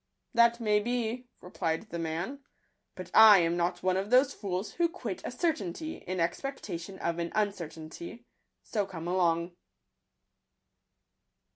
—" That may be," replied the man; " but I am not one of those fools who quit a certainty in expec tation of an uncertainty ; so come along."